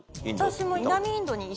私も。